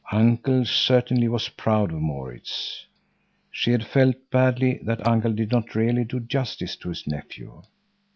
Uncle certainly was proud of Maurits. She had felt badly that Uncle did not really do justice to his nephew.